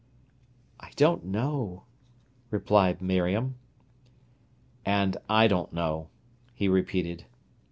"I don't know," replied Miriam. "And I don't know," he repeated.